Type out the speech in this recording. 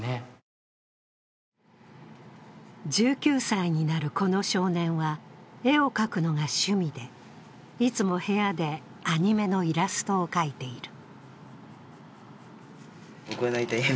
１９歳になるこの少年は絵を描くのが趣味で、いつも部屋でアニメのイラストを描いている。